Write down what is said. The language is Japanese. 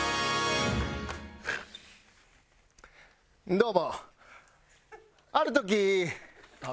どうも。